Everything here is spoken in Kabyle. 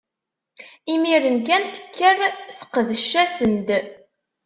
Imiren kan, tekker teqdec-asen-d.